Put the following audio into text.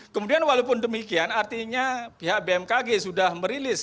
kemudian walaupun demikian artinya pihak bmkg sudah merilis